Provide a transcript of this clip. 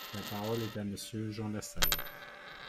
La parole est à Monsieur Jean Lassalle.